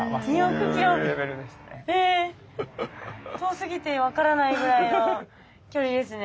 遠すぎて分からないぐらいの距離ですね。